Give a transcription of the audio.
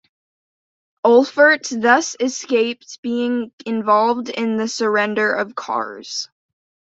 Olpherts thus escaped being involved in the surrender of Kars.